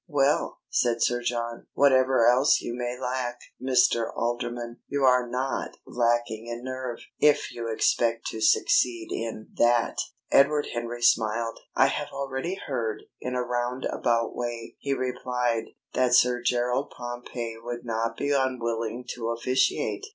"Well," said Sir John. "Whatever else you may lack, Mr. Alderman, you are not lacking in nerve, if you expect to succeed in that." Edward Henry smiled. "I have already heard, in a round about way," he replied, "that Sir Gerald Pompey would not be unwilling to officiate.